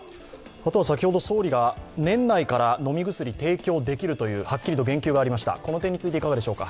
先ほど総理が年内から飲み薬を提供できるとはっきりと言及がありましたが、この点についてはいかがでしょうか？